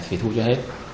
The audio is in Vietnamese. phải thu cho hết